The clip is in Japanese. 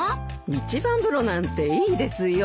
一番風呂なんていいですよ。